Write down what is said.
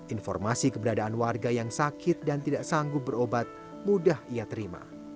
informasi keberadaan warga yang sakit dan tidak sanggup berobat mudah ia terima